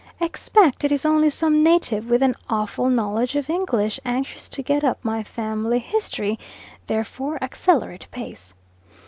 Expect it is only some native with an awful knowledge of English, anxious to get up my family history therefore accelerate pace.